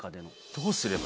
どうすれば。